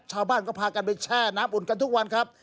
ชาวบ้านก็พากันไปแช่น้ำอุ่นกันทุกวันครับ